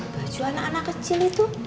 baju anak anak kecil itu